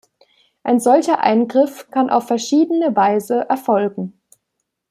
Ein solcher Eingriff kann auf verschiedene Weise erfolgen.